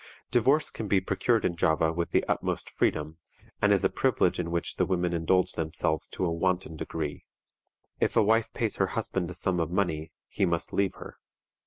Divorce can be procured in Java with the utmost freedom, and is a privilege in which the women indulge themselves to a wanton degree. If a wife pays her husband a sum of money, he must leave her.